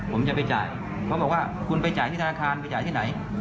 ผมจะไปจ่ายเขาบอกว่าคุณไปจ่ายที่ธนาคารไปจ่ายที่ไหน